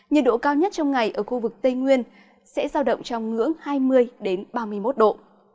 nhiệt độ cao nhất trong ngày ở khu vực tây nguyên sẽ giao động trong ngưỡng hai mươi ba mươi một độ